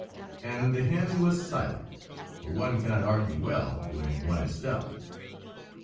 And the hen was silent, for one cannot argue well when one is stuffed.